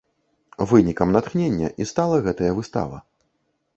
Вынікам натхнення і стала гэтая выстава.